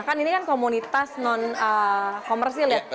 kan ini kan komunitas non komersil ya